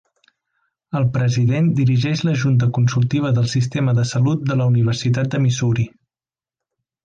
El president dirigeix la junta consultiva del sistema de salut de la Universitat de Missouri.